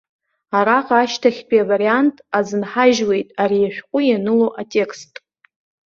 Араҟа ашьҭахьтәи авариант азынҳажьуеит ари ашәҟәы ианыло атекст.